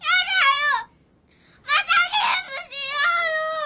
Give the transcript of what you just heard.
またゲームしようよ！